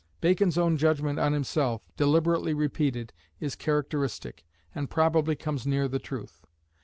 Bacon's own judgment on himself, deliberately repeated, is characteristic, and probably comes near the truth.